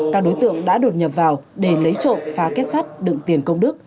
các đối tượng đã đột nhập vào để lấy trộm phá kết sắt đựng tiền công đức